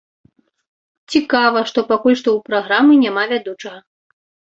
Цікава, што пакуль што ў праграмы няма вядучага.